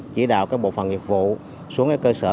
chỉ đạo bộ phòng nghiệp vụ xuống cơ sở